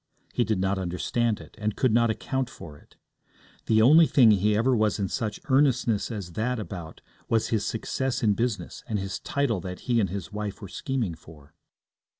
He did not understand it, and could not account for it. The only thing he ever was in such earnestness as that about was his success in business and his title that he and his wife were scheming for.